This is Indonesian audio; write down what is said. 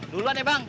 duluan ya bang